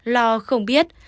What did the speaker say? lo không biết